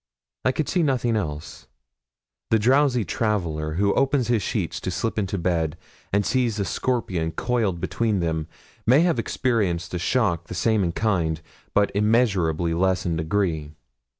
I could see nothing else. The drowsy traveller who opens his sheets to slip into bed, and sees a scorpion coiled between them, may have experienced a shock the same in kind, but immeasurably less in degree.